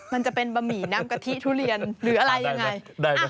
มันจะเป็นบะหมี่น้ำกะทิทุเรียนหรืออะไรยังไง